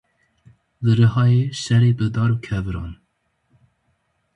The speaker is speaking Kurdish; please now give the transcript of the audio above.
Li Rihayê şerê bi dar û keviran.